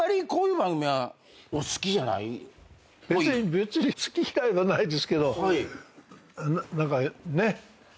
別に好き嫌いはないですけど何かねっ？